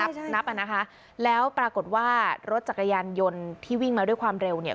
นับนับอ่ะนะคะแล้วปรากฏว่ารถจักรยานยนต์ที่วิ่งมาด้วยความเร็วเนี่ย